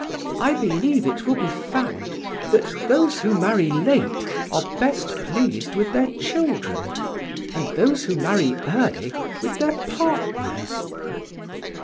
"I believe it will be found that those who marry late are best pleased with their children, and those who marry early with their partners."